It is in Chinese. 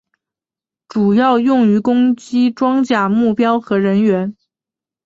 主要用于攻击装甲目标和人员。